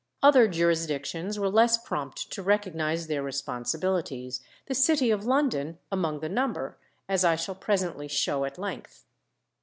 Other jurisdictions were less prompt to recognize their responsibilities, the city of London among the number, as I shall presently show at length.